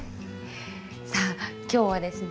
さあ今日はですね